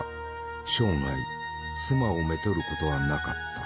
生涯妻をめとることはなかった。